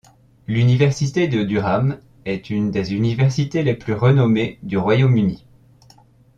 L'université de Durham est une des universités les plus renommées du Royaume-Uni.